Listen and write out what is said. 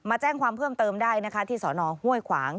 แจ้งความเพิ่มเติมได้นะคะที่สนห้วยขวาง